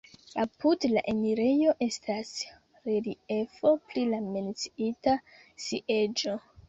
Apud la enirejo estas reliefo pri la menciita sieĝo.